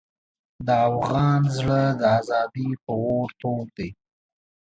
د افغان زړه د ازادۍ په اور تود دی.